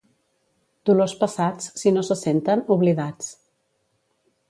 Dolors passats, si no se senten, oblidats.